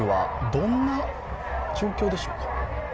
どんな状況でしょうか？